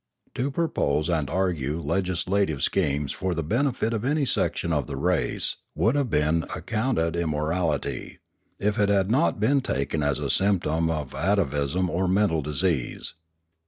To propose and argue legislative schemes for the benefit of any section of the race would have been accounted immorality, if it had not been taken as a symptom of atavism or mental disease.